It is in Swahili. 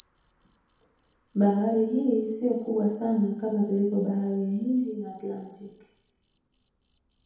Bahari hii siyo kubwa sana kama zilivyo Bahari ya hindi na Atlantiki